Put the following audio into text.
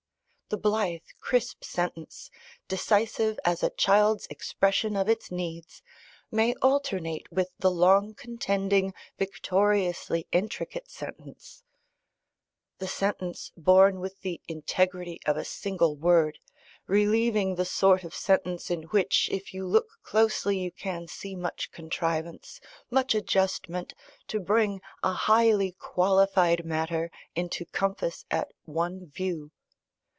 The blithe, crisp sentence, decisive as a child's expression of its needs, may alternate with the long contending, victoriously intricate sentence; the sentence, born with the integrity of a single word, relieving the sort of sentence in which, if you look closely, you can see much contrivance, much adjustment, to bring a highly qualified matter into compass at one view.